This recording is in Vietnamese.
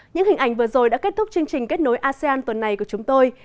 những hình ảnh vừa rồi đã kết thúc chương trình kết nối asean tuần này của chúng tôi